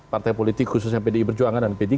partai politik khususnya pdi perjuangan dan p tiga